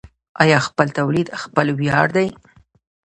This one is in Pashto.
آیا خپل تولید خپل ویاړ دی؟